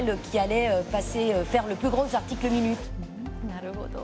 なるほど。